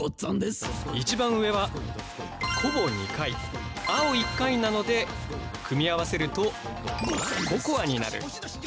一番上は「こ」を２回「あ」を１回なので組み合わせると「ココア」になる。